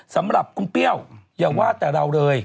สำหรับคุณเปรี้ยวอย่าว่าแต่เราเลย